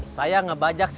saya ngebajak cctv